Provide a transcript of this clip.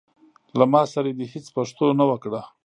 له ما سره دي هيڅ پښتو نه وکړه.